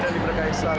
dan diberkahi saling